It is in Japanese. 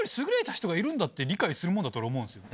って理解するもんだと俺思うんですよ。